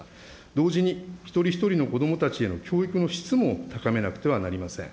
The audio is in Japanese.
同時に、一人一人の子どもたちへの教育の質も高めなくてはなりません。